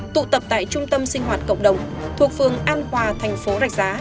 tụ tập tại trung tâm sinh hoạt cộng đồng thuộc phường an hòa thành phố rạch giá